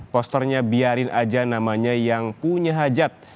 posternya biarin aja namanya yang punya hajat